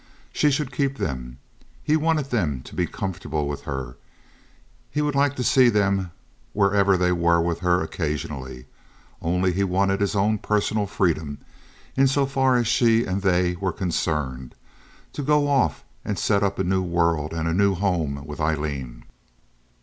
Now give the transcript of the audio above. She should keep them. He wanted them to be comfortable with her. He would like to see them, wherever they were with her, occasionally. Only he wanted his own personal freedom, in so far as she and they were concerned, to go off and set up a new world and a new home with Aileen.